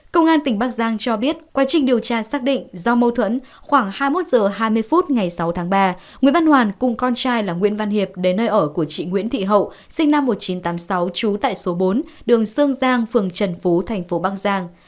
công an tỉnh bắc giang cho biết quá trình điều tra xác định do mâu thuẫn khoảng hai mươi một h hai mươi phút ngày sáu tháng ba nguyễn văn hoàn cùng con trai là nguyễn văn hiệp đến nơi ở của chị nguyễn thị hậu sinh năm một nghìn chín trăm tám mươi sáu trú tại số bốn đường sương giang phường trần phú thành phố bắc giang